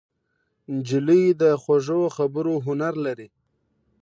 نجلۍ د خوږو خبرو هنر لري.